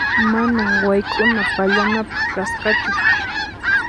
Manan wayk'una pallanapaq kasqachu.